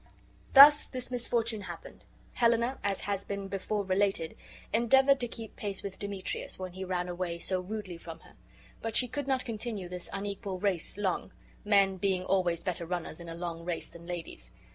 Thus this misfortune happened. Helena, as has been before related, endeavored to keep pace with Demetrius when he ran away so rudely from her; but she could not continue this unequal race long, men being always better runners in a long race than ladies.